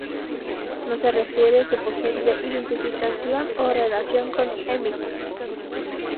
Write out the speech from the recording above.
No se refiere su posible identificación o relación con Émile.